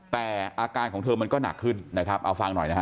แต่อาการของเธอมันก็หนักขึ้นนะครับเอาฟังหน่อยนะฮะ